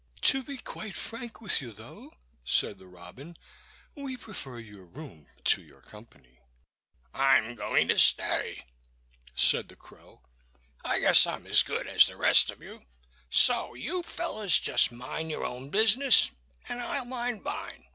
"To be quite frank with you, though," said the robin, "we prefer your room to your company." "I'm going to stay," said the crow. "I guess I'm as good as the rest of you; so you fellows just mind your own business and I'll mind mine."